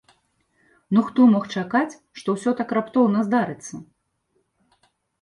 Ну хто мог чакаць, што ўсё так раптоўна здарыцца?